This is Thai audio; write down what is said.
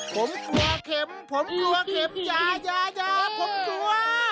ผมกลัวเข็มผมกลัวเข็มอย่าอย่าอย่าผมกลัว